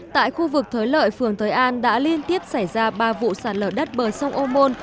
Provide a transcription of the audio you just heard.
tại khu vực thới lợi phường thới an đã liên tiếp xảy ra ba vụ sạt lở đất bờ sông ô môn